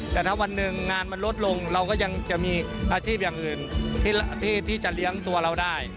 แต่ถ้าวันหนึ่งงานมันลดลงเราก็ยังจะมีอาชีพอย่างอื่นที่จะเลี้ยงตัวเราได้